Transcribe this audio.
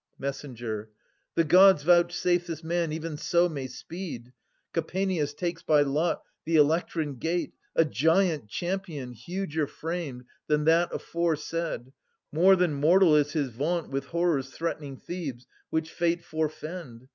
Messenger. The Gods vouchsafe this man even so may speed ! y Kapaneus takes by lot the Elektran gate, A giant champion, huger framed than that Aforesaid : more than mortal is his vaunt With horrors threatening Thebes, which Fate fore fend